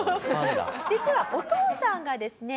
実はお父さんがですね